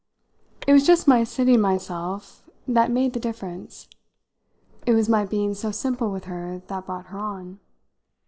It was just my seating myself that made the difference it was my being so simple with her that brought her on.